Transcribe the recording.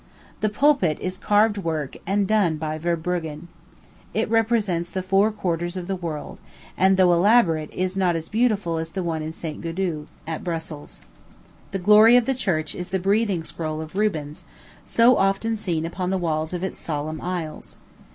The pulpit is carved work, and done by Verbruggen. It represents the four quarters of the world, and, though elaborate, is not as beautiful as the one in St. Gudule, at Brussels. The glory of the church is the "breathing scroll" of Rubens, so often seen upon the walls of its solemn aisles.